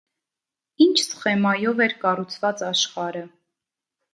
Ի՞նչ սխեմայով էր կառուցված աշխարհը։